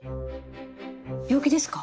病気ですか？